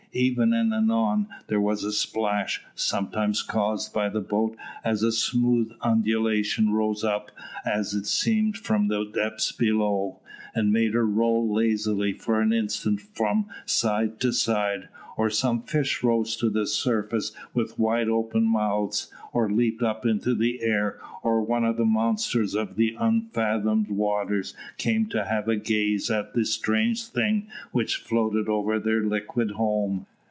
Ever and anon there was a splash, sometimes caused by the boat as the smooth undulations rose up as it seemed from the depths below, and made her roll lazily for an instant from side to side, or some fish rose to the surface with wide open mouths, or leaped up into the air, or one of the monsters of the unfathomed waters came to have a gaze at the strange thing which floated over their liquid home.